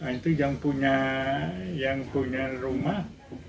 itu yang punya rumah